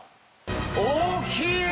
大きい！